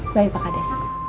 baik pak kades